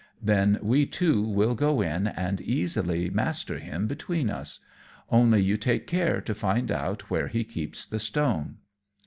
Then we two will go in and easily master him between us. Only you take care to find out where he keeps the stone."